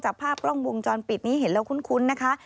ภาพกล้องวงจรปิดนี้เห็นแล้วคุ้นนะคะ